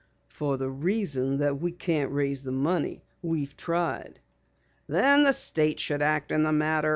"For the reason that we can't raise the money. We've tried." "Then the State should act in the matter.